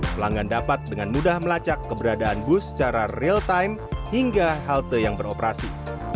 pelanggan dapat dengan mudah melacak keberadaan bus secara real time hingga halte yang beroperasi